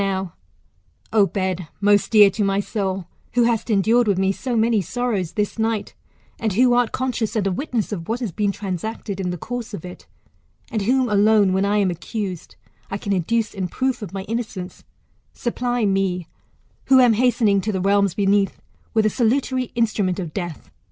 Now, O bed, most dear to my soul, who hast en dured with me sp many sorrows, [this night] and who art con scious, and a witness of what has been transacted in the course of it, and whom alone, when I am accused, I can adduce in proof of my innocence, supply me, who am hastening to the realms beneath, with a salutary instrument of death.